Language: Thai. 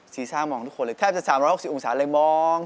ซ่ามองทุกคนเลยแทบจะ๓๖๐องศาเลยมอง